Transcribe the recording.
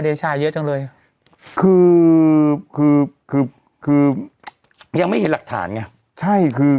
เดชาเยอะจังเลยคือคือคือคือยังไม่เห็นหลักฐานไงใช่คือ